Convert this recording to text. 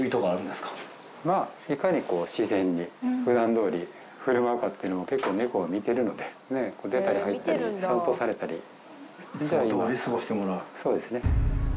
すまあいかにこう自然にふだんどおり振る舞うかっていうのを結構猫は見てるので出たり入ったり散歩されたりそういうのをふだんどおり過ごしてもらうそうですね